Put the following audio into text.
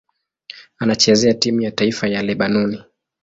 Anachezea timu ya taifa ya Lebanoni.